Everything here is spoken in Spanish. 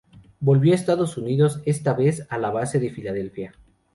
Volvió a Estados Unidos, esta vez a la base de Filadelfia.